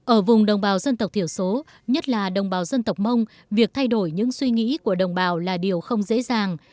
ở vùng đồng bào dân tộc thiểu số nhất là đồng bào dân tộc mông việc thay đổi những suy nghĩ của đồng bào là điều không dễ dàng